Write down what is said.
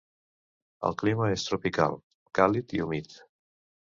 El clima és tropical: càlid i humit.